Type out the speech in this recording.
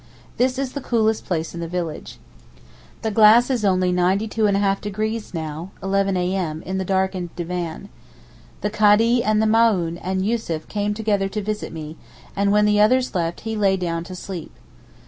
This is the coolest place in the village. The glass is only 95½° now (eleven a.m.) in the darkened divan. The Kádee, and the Maōhn, and Yussuf came together to visit me, and when the others left he lay down to sleep.